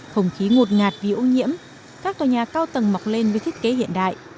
không khí ngột ngạt vì ô nhiễm các tòa nhà cao tầng mọc lên với thiết kế hiện đại